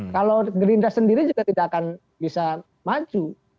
kalau gerinda sendiri juga tidak akan bisa maju